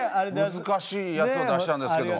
難しいやつを出したんですけども。